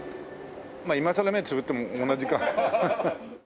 まあ今更目つぶっても同じか。